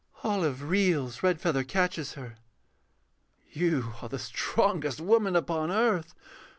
_] [OLIVE reels. REDFEATHER catches her.] You are the strongest woman upon earth.